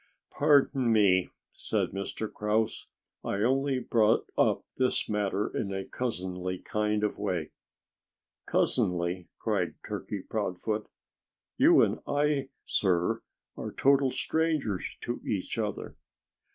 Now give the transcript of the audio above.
"Pardon me!" said Mr. Grouse. "I only brought up this matter in a cousinly kind of way." "Cousinly!" cried Turkey Proudfoot. "You and I, sir, are total strangers to each other."